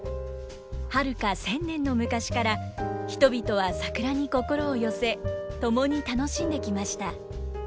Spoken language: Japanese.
はるか１，０００年の昔から人々は桜に心を寄せ共に楽しんできました。